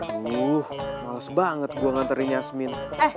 aduh males banget gua nganterin yasmin